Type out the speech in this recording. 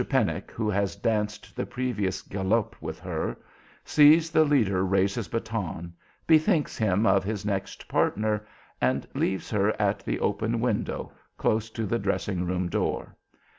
Pennock, who has danced the previous galop with her, sees the leader raising his baton, bethinks him of his next partner, and leaves her at the open window close to the dressing room door.